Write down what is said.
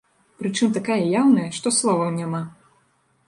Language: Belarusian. Прычым такая яўная, што словаў няма.